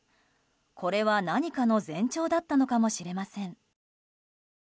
これは何かの前兆だったのかもしれません。